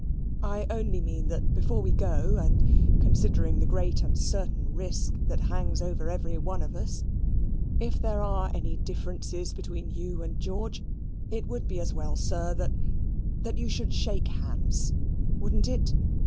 "I only mean, that before we go, and considering the great and certain risk that hangs over every one of us if there are any differences between you and George it would be as well, sir, that that you should shake hands: wouldn't it?